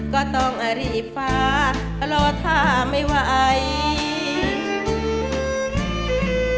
ก็ต้องอารีบฟ้ารอท่าไม่ไหว